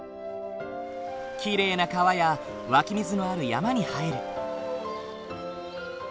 きれいな川や湧き水のある山に生える。